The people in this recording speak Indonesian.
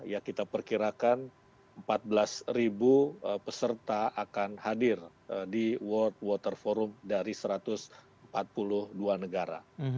ya kita perkirakan empat belas peserta akan hadir di world water forum dari satu ratus empat puluh dua negara